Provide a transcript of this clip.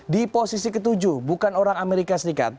di posisi ke tujuh bukan orang amerika serikat